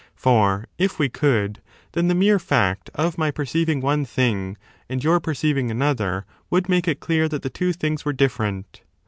For, if we could, then the mere fact of my perceiving one thing and your perceiving another would make it clear that the two things were different.